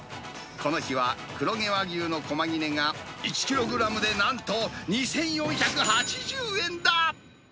この日は黒毛和牛の小間切れが、１キログラムでなんと２４８０円だ。